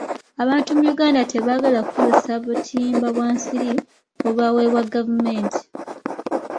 Abantu mu Uganda tebaagala kukozesa butimba bwa nsiri obubaweebwa gavumenti.